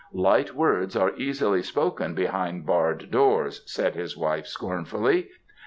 "Light words are easily spoken behind barred doors," said his wife scornfully.